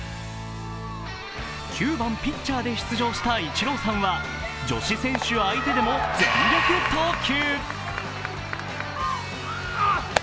９番・ピッチャーで出場したイチローさんは女子選手相手でも全力投球。